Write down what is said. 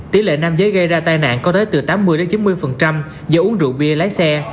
tỷ lệ nam giới gây ra tai nạn có tới từ tám mươi chín mươi do uống rượu bia lái xe